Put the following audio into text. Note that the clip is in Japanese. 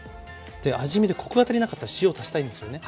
で味見でコクが足りなかったら塩足したいんですよね。